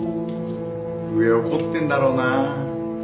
上怒ってんだろうな。